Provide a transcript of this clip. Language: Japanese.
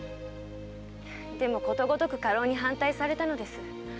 でもことごとく家老に反対されたのです。